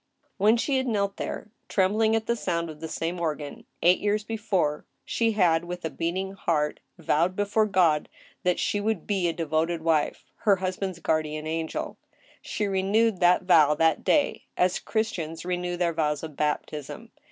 When she had knelt there, trembling at the sound of the same organ, eight years before, she had with a beating heart vowed before God that she would be a devoted wife, her husband's guardian angel. She renewed that vow that day, as Christians renew their vows of baptism.